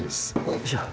よいしょ。